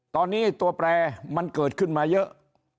ตอนนี้ตัวแปรมันเกิดขึ้นมาเยอะ